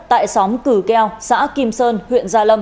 tại xóm cử keo xã kim sơn huyện gia lâm